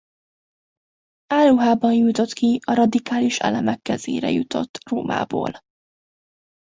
Álruhában jutott ki a radikális elemek kezére jutott Rómából.